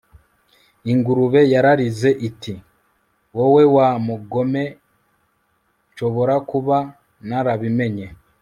ingurube yararize iti 'wowe wa mugome! nshobora kuba narabimenye